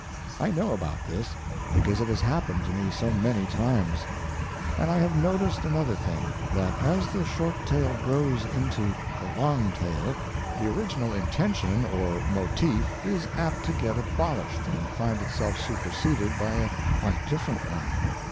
I know about this, because it has happened to me so many times. And I have noticed another thing: that as the short tale grows into a long tale, the original intention (or motif) is apt to get abolished and find itself superseded by a quite different one.